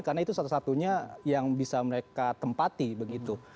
karena itu satu satunya yang bisa mereka tempati begitu